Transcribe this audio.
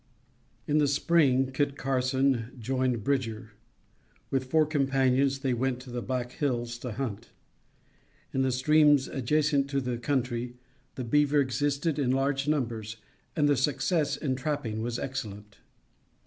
In the spring, Kit Carson joined Bridger. With four companions they went to the Black Hills to hunt. In the streams adjacent to that country, the beaver existed in large numbers and their success in trapping was excellent.